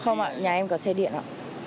không ạ nhà em có xe điện ạ